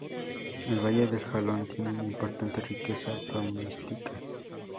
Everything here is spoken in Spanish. El valle del Jalón tiene una importante riqueza faunística.